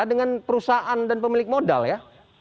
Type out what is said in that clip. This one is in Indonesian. dengan perusahaan dan pemilik modal ya